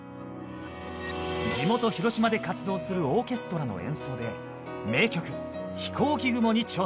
地元広島で活動するオーケストラの演奏で名曲「ひこうき雲」に挑戦。